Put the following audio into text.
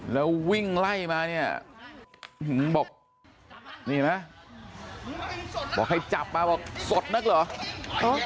แล้ววิ่งไล่มานี่ให้จับมาบอกสดมากเหรอ